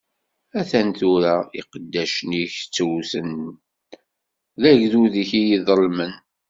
A-t-an tura, iqeddacen-ik ttewten, d agdud-ik i yeḍelmen.